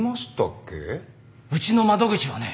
うちの窓口はね